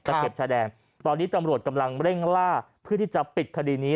เข็บชายแดนตอนนี้ตำรวจกำลังเร่งล่าเพื่อที่จะปิดคดีนี้